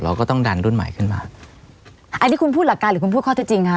ก็ต้องดันรุ่นใหม่ขึ้นมาอันนี้คุณพูดหลักการหรือคุณพูดข้อเท็จจริงค่ะ